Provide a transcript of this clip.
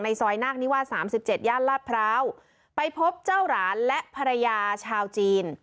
ซอยนาคนิวาสามสิบเจ็ดย่านลาดพร้าวไปพบเจ้าหลานและภรรยาชาวจีน